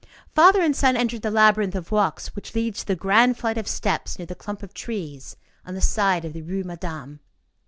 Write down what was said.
Father and son entered the labyrinth of walks which leads to the grand flight of steps near the clump of trees on the side of the Rue Madame.